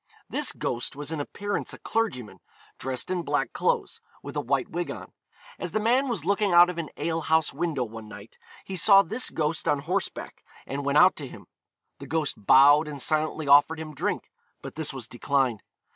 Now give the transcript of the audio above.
This ghost was in appearance a clergyman, dressed in black clothes, with a white wig on. As the man was looking out of an ale house window one night, he saw this ghost on horseback, and went out to him. The ghost bowed and silently offered him drink; but this was declined.